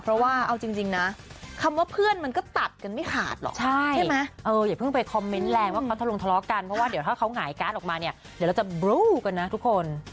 เพราะว่าเอาจริงนะคำว่าเพื่อนมันก็ต่ำกันไม่ขาดหรอก